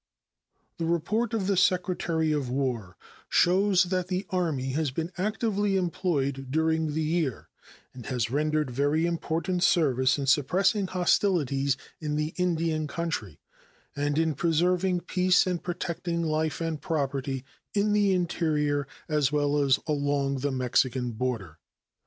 The report of the Secretary of War shows that the Army has been actively employed during the year, and has rendered very important service in suppressing hostilities in the Indian country and in preserving peace and protecting life and property in the interior as well as along the Mexican border.